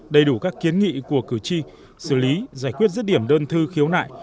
đầy đủ các kiến nghị của cử tri xử lý giải quyết rứt điểm đơn thư khiếu nại